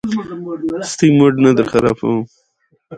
ازادي راډیو د سوله په اړه د مخکښو شخصیتونو خبرې خپرې کړي.